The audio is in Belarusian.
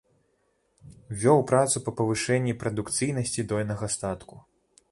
Вёў працу па павышэнні прадукцыйнасці дойнага статку.